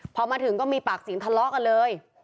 พอมาถึงก็มีปากเสียงทะเลาะกันเลย